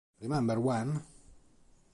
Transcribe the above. Remember When?